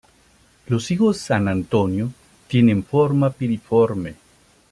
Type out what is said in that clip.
Los higos 'San Antonio' tienen forma piriforme.